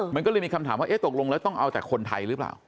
มันก็เลยมีคำถามว่าเอ๊ะตกลงแล้วต้องเอาแต่คนไทยหรือเปล่า